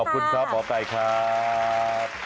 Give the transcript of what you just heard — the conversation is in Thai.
ขอบคุณครับหมอไก่ครับ